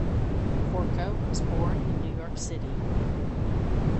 Porco was born in New York City.